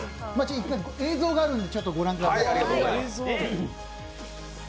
映像があるんで御覧ください。